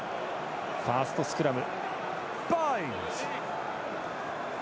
ファーストスクラム。